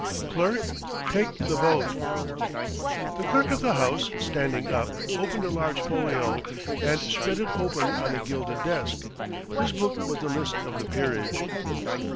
Clerk, take the vote." The Clerk of the House, standing up, opened a large folio, and spread it open on a gilded desk. This book was the list of the Peerage.